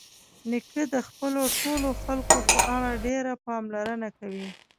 نیکه د خپلو ټولو خلکو په اړه ډېره پاملرنه کوي.